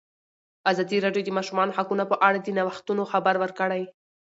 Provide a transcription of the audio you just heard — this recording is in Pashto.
ازادي راډیو د د ماشومانو حقونه په اړه د نوښتونو خبر ورکړی.